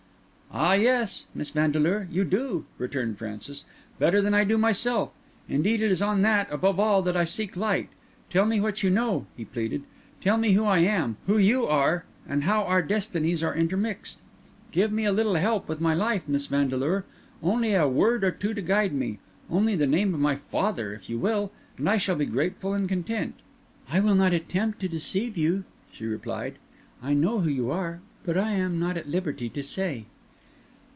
"Ah, yes! Miss Vandeleur, you do," returned Francis "better than I do myself. Indeed, it is on that, above all, that I seek light. Tell me what you know," he pleaded. "Tell me who I am, who you are, and how our destinies are intermixed. Give me a little help with my life, Miss Vandeleur—only a word or two to guide me, only the name of my father, if you will—and I shall be grateful and content." "I will not attempt to deceive you," she replied. "I know who you are, but I am not at liberty to say."